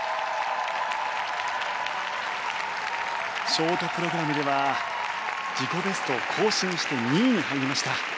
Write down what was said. ショートプログラムでは自己ベストを更新して２位に入りました。